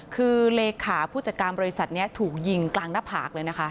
คือเลขาผู้จัดการบริษัทนี้ถูกยิงกลางหน้าผากเลยนะคะ